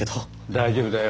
大丈夫だよ。